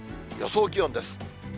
予想気温です。